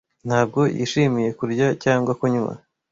Ntabwo yishimiye kurya cyangwa kunywa.